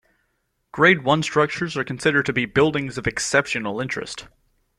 Grade One structures are considered to be "buildings of exceptional interest".